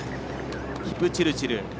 キプチルチル。